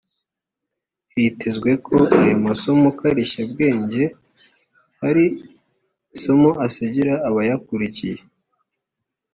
Hitezwe ko aya masomo karishyabwenge hari isomo asigira abayakurikiye